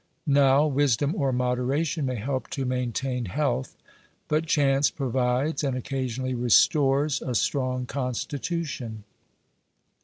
Now, wisdom or moderation may help to maintain health, but chance provides, and occasionally restores, a strong constitution.